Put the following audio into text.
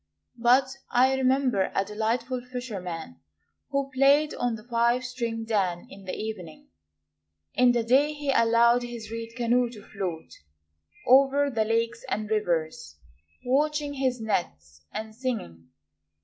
But I remember a delightful fisherman Who played on the five stringed dan in the evening. In the day he allowed his reed canoe to float Over the lakes and rivers, Watching his nets and singing.